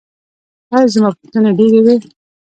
ایا زما پوښتنې ډیرې وې؟